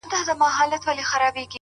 نیک چلند د انسان بوی دی؛